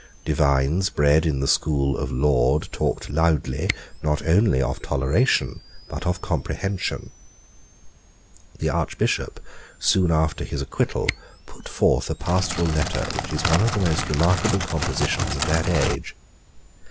Divines bred in the school of Laud talked loudly, not only of toleration, but of comprehension. The Archbishop soon after his acquittal put forth a pastoral letter which is one of the most remarkable compositions of that age.